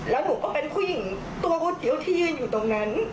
แล้วหนูก็เป็นผู้หญิงตัวคนเดียวที่ยืนอยู่ตรงนั้น